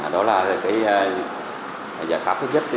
đó là cái giải pháp thứ nhất